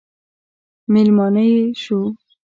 مېلمانه یې شو.